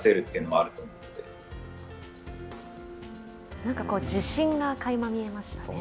なんか自信がかいま見えましたね。